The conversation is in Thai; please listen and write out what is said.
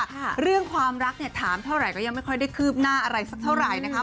เรื่องความรักเนี่ยถามเท่าไหร่ก็ยังไม่ค่อยได้คืบหน้าอะไรสักเท่าไหร่นะคะ